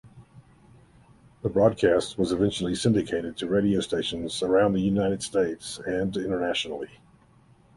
The broadcast was eventually syndicated to radio stations around the United States and internationally.